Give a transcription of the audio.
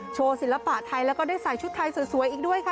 ศิลปะไทยแล้วก็ได้ใส่ชุดไทยสวยอีกด้วยค่ะ